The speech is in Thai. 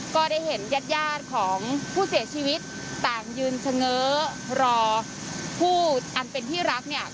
ก็ได้เห็นญาติยาดของผู้เสียชีวิตต่างยืนเฉง้อรอผู้อันเป็นที่รักเนี่ย